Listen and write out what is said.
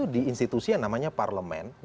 di institusi yang namanya parlemen